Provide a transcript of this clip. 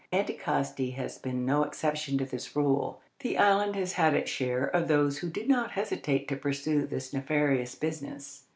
Anticosti has been no exception to this rule. The island has had its share of those who did not hesitate to pursue this nefarious business.